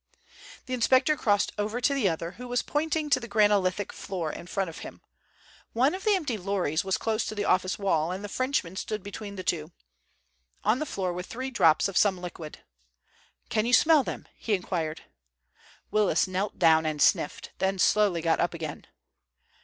The inspector crossed over to the other, who was pointing to the granolithic floor in front of him. One of the empty lorries was close to the office wall, and the Frenchman stood between the two. On the floor were three drops of some liquid. "Can you smell them?" he inquired. Willis knelt down and sniffed, then slowly got up again.